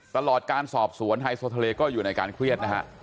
ตลอดการสอบสวนไฮโซทะเลก็อยู่ในการเครียดนะฮะ